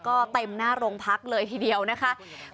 ก็เต็มหน้าโรงพักเลยทีเดียวนะคะ